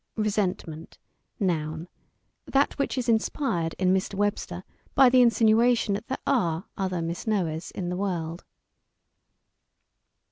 "RE SENT MENT, n. That which is inspired in Mr. Webster by the insinuation that there are other Miss Noahs in the world."